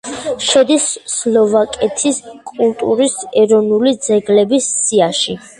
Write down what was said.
შედის სლოვაკეთის კულტურის ეროვნული ძეგლების სიაში.